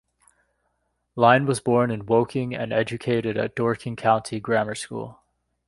Lynne was born in Woking and educated at Dorking County Grammar School.